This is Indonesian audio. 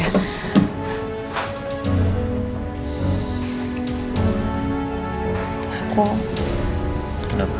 ya menurut yang terbaik buat kamu aja